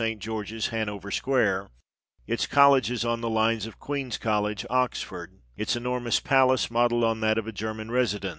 xxiii of St. George's, Hanover Square, its colleges on the lines of Queen's College, Oxford, its enormous palace modelled on that of a German resident.